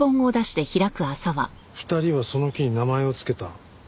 「二人はその木に名前を付けた」